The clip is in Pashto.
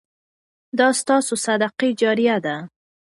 دا ستاسو صدقه جاریه ده.